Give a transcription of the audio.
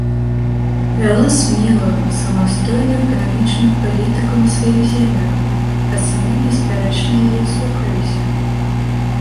Вяла смелую, самастойную эканамічную палітыку на сваіх землях, а сыны беспярэчна яе слухаліся.